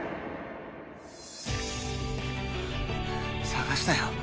捜したよ